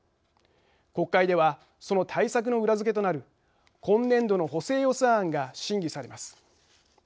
国会ではその対策の裏付けとなる今年度の補正予算案が審議されます。